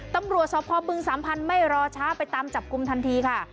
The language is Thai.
ตำรวจสพบึงสามพันธ์ไม่รอช้าไปตามจับกลุ่มทันทีค่ะ